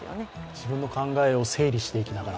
自分の考えを整理していきながら。